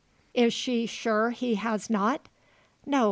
Is she sure he has not? No.